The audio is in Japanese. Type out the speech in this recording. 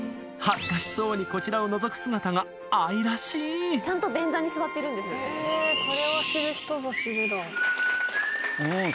恥ずかしそうにこちらをのぞく姿が愛らしいちゃんと便座に座ってるんですうん